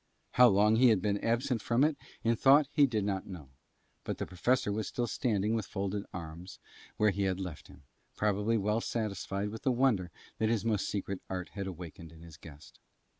How long he had been absent from it in thought he did not know, but the Professor was still standing with folded arms where he had left him, probably well satisfied with the wonder that his most secret art had awakened in his guest.